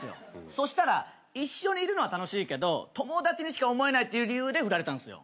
そしたら一緒にいるのは楽しいけど友達にしか思えないっていう理由で振られたんすよ。